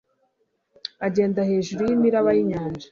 agenda hejuru y'imiraba y'inyanja,